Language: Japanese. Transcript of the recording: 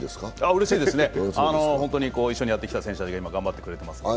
うれしいですね、一緒にやってきた選手が頑張ってくれていますから。